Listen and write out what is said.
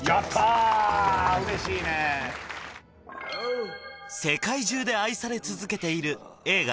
たー嬉しいね世界中で愛され続けている映画